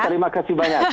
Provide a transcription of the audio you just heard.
terima kasih banyak